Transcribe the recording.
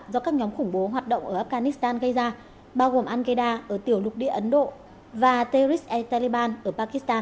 do các nhóm khủng bố hoạt động ở afghanistan gây ra bao gồm al qaeda ở tiểu lục địa ấn độ và terrorist taliban ở pakistan